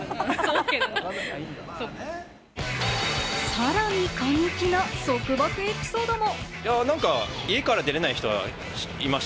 さらに過激な束縛エピソードも。